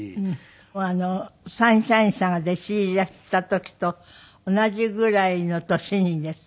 三輝さんが弟子にいらした時と同じぐらいの年にですね